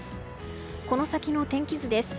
この先の天気図です。